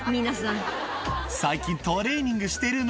最近、トレーニングしてきたの。